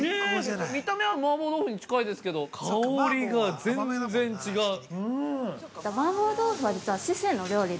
見た目は麻婆豆腐に近いですけど、香りが全然違う。